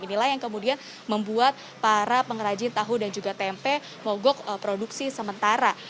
inilah yang kemudian membuat para pengrajin tahu dan juga tempe mogok produksi sementara